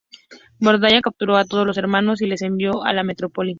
Bobadilla capturó a todos los hermanos y los envió a la metrópoli.